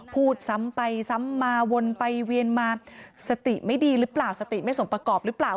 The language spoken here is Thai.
พูดซ้ำไปซ้ำมาวนไปเวียนมาสติไม่ดีหรือเปล่าสติไม่สมประกอบหรือเปล่า